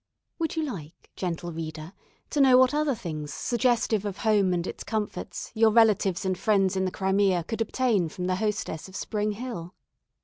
Would you like, gentle reader, to know what other things suggestive of home and its comforts your relatives and friends in the Crimea could obtain from the hostess of Spring Hill?